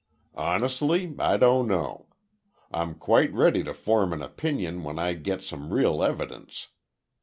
"Honestly, I don't know. I'm quite ready to form an opinion when I get some real evidence.